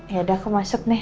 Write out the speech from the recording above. yaudah aku masuk nih